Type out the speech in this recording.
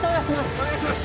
お願いします